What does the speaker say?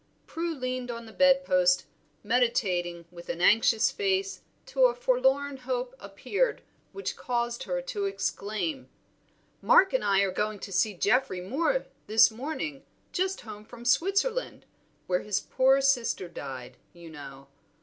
Prue leaned on the bedpost meditating with an anxious face till a forlorn hope appeared which caused her to exclaim "Mark and I are going to see Geoffrey Moor, this morning, just home from Switzerland, where his poor sister died, you know.